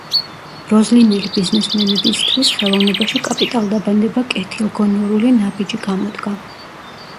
როზლინელი ბიზნესმენებისთვის ხელოვნებაში კაპიტალდაბანდება კეთილგონივრული ნაბიჯი გამოდგა.